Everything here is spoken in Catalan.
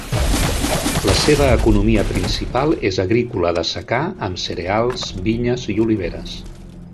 La seva economia principal és agrícola de secà amb cereals, vinyes i oliveres.